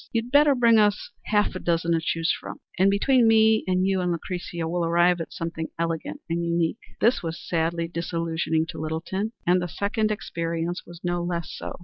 You'd better bring us half a dozen to choose from, and between me and you and Lucretia, we'll arrive at something elegant and unique." This was sadly disillusionizing to Littleton, and the second experience was no less so.